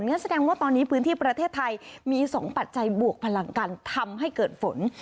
งั้นแสดงว่าตอนนี้พื้นที่ประเทศไทยมี๒ปัจจัยบวกพลังกันทำให้เกิดฝน